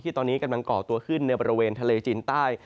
ตอนนี้กำลังก่อตัวขึ้นในบริเวณทะเลจีนใต้